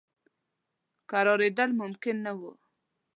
کرارېدل ممکن نه وه.